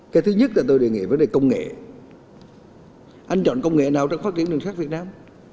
cái thứ nhất là tôi đề nghị vấn đề công nghệ anh chọn công nghệ nào trong phát triển đường sắt việt nam